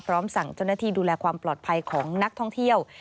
สั่งเจ้าหน้าที่ดูแลความปลอดภัยของนักท่องเที่ยว